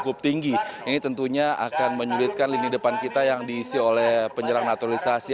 cukup tinggi ini tentunya akan menyulitkan lini depan kita yang diisi oleh penyerang naturalisasi